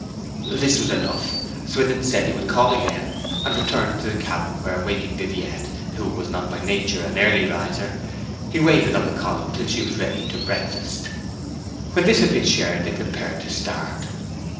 This was enough. Swithin said he would call again, and returned to the cabin, where, waking Viviette, who was not by nature an early riser, he waited on the column till she was ready to breakfast. When this had been shared they prepared to start.